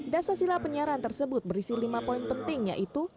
dasar sila penyiaran tersebut berisi lima poin penting yaitu